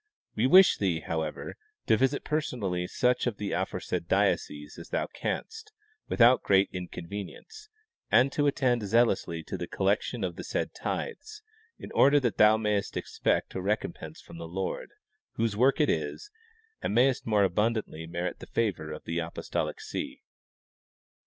We wish thee, however, to visit personally such of the aforesaid dioceses as thou canst, without great inconvenience, and to attend zealously to the collection of the said tithes, in order that thou ma3^est expect a recompense from the Lord, whose work it is, and mayest more abundantly merit the favor of the apostolic see.